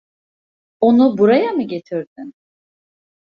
Onu buraya mı getirdin?